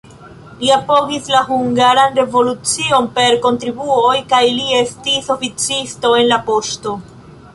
Li apogis la hungaran revolucion per kontribuoj kaj li estis oficisto en la poŝto.